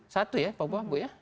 satu ya papua bu ya